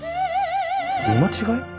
見間違え？